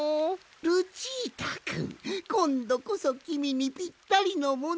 ルチータくんこんどこそきみにぴったりのものをみつけたぞい！